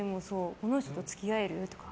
この人と付き合える？とか。